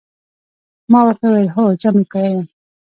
ما ورته وویل: هو، زه امریکایی یم.